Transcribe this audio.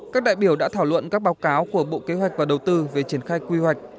các đại biểu đã thảo luận các báo cáo của bộ kế hoạch và đầu tư về triển khai quy hoạch